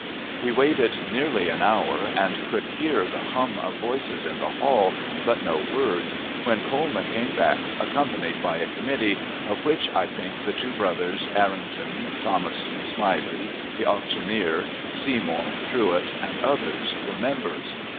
We waited nearly an hour, and could hear the hum of voices in the hall, but no words, when Coleman came back, accompanied by a committee, of which I think the two brothers Arrington, Thomas Smiley the auctioneer, Seymour, Truett, and others, were members.